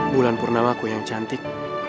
wulan purnawaku yang cantik